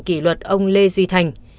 kỷ luật ông lê duy thành